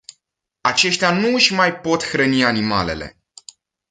Aceștia nu își mai pot hrăni animalele.